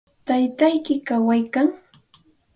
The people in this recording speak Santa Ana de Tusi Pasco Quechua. ¿Taytayki kawaykan?